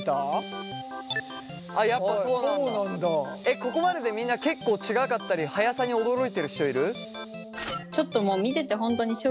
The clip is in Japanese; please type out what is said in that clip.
ここまででみんな結構違かったり速さに驚いてる人いる？